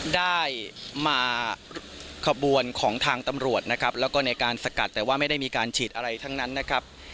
ได้มาขบวนของทางตำรวจนะครับแล้วก็ในการสกัดแต่ว่าไม่ได้มีการฉีดอะไรทั้งนั้นนะครับ